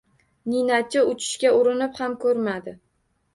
Ninachi uchishga urinib ham ko’rmadi.